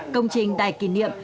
công trình đài kỷ niệm